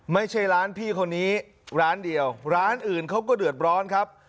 ไม่ใช่ร้านพี่คนนี้ร้านเดียวร้านอื่นเขาก็เดือดร้อนครับ